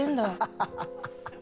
ハハハハ！